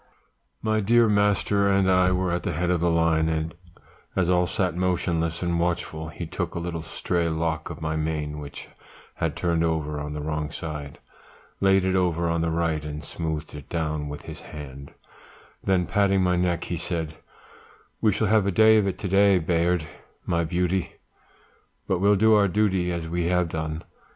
"My dear master and I were at the head of the line, and as all sat motionless and watchful, he took a little stray lock of my mane which had turned over on the wrong side, laid it over on the right, and smoothed it down with his hand; then patting my neck, he said, 'We shall have a day of it to day, Bayard, my beauty; but we'll do our duty as we have done.'